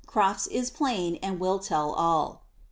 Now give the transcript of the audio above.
Crofts is plain, and will tell all."'